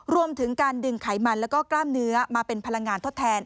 รวมถึงการดึงไขมันแล้วก็กล้ามเนื้อมาเป็นพลังงานทดแทน